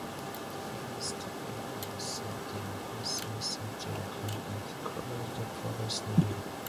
The famous toppling of Saddam Hussein's statue had occurred the previous year.